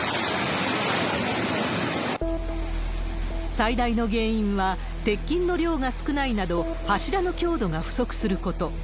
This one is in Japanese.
最大の原因は、鉄筋の量が少ないなど、柱の強度が不足すること。